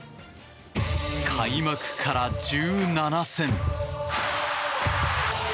開幕から１７戦。